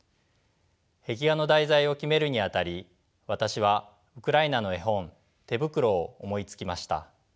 壁画の題材を決めるにあたり私はウクライナの絵本「てぶくろ」を思いつきました。